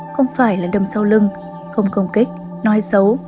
không phải là đâm sau lưng không công kích nói xấu